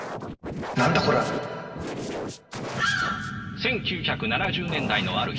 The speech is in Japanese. １９７０年代のある日